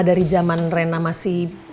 dari zaman reina masih